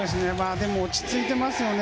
でも落ち着いていますよね。